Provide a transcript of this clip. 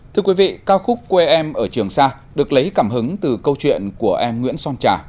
thưa quý vị ca khúc quê em ở trường sa được lấy cảm hứng từ câu chuyện của em nguyễn son trà